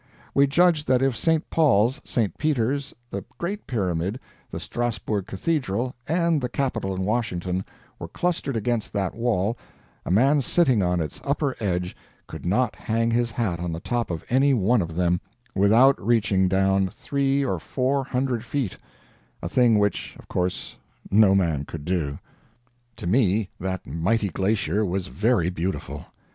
We judged that if St. Paul's, St. Peter's, the Great Pyramid, the Strasburg Cathedral and the Capitol in Washington were clustered against that wall, a man sitting on its upper edge could not hang his hat on the top of any one of them without reaching down three or four hundred feet a thing which, of course, no man could do. To me, that mighty glacier was very beautiful.